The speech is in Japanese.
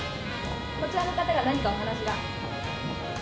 こちらの方が何かお話が。